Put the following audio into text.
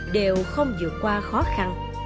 đều không dựa qua khó khăn